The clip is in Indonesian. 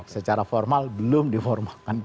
secara formal belum diformalkan